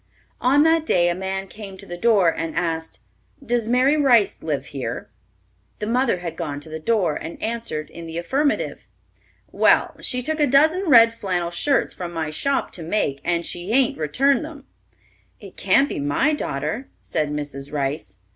On that day a man came to the door and asked, "Does Mary Rice live here?" The mother had gone to the door, and answered in the affirmative. "Well, she took a dozen red flannel shirts from my shop to make, and she hain't returned 'em!" "It can't be my daughter," said Mrs. Rice.